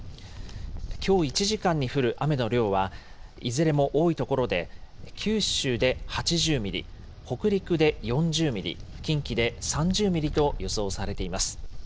きょう１時間に降る雨の量は、いずれも多い所で九州で８０ミリ、北陸で４０ミリ、近畿で３０ミリと予想されています。